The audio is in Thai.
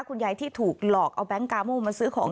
คุณยายที่ถูกหลอกเอาแก๊งกาโมมาซื้อของ